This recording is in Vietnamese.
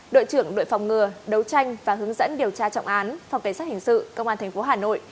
đội trưởng đội phòng ngừa đấu tranh và hướng dẫn điều tra trọng án phòng cảnh sát hình sự công an tp hà nội